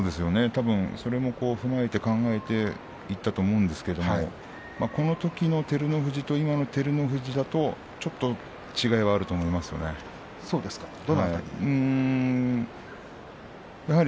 たぶんそれを踏まえていったと思うんですけどこのときの照ノ富士は今の照ノ富士とちょっと違いはどの辺りですか。